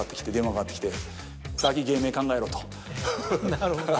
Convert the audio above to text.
なるほど。